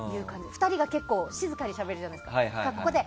２人が静かにしゃべるじゃないですか。